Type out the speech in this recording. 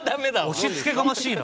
押しつけがましいな。